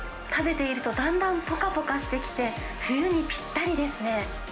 食べているとだんだんぽかぽかしてきて、冬にぴったりですね。